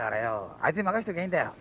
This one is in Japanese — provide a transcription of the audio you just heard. あいつに任しときゃいいんだよ。